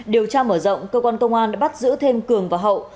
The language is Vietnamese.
điều tra mở rộng cơ quan công an đã bắt giữ thêm cường và hậu